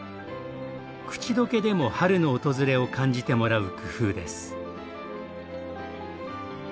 口溶けでも春の訪れを感じてもらう工夫です。